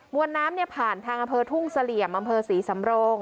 วนน้ำผ่านทางอำเภอทุ่งเสลี่ยมอำเภอศรีสำโรง